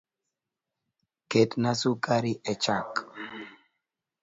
Ketna sukari echak